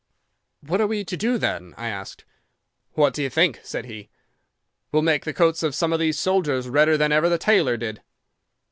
"'"What are we to do, then?" I asked. "'"What do you think?" said he. "We'll make the coats of some of these soldiers redder than ever the tailor did."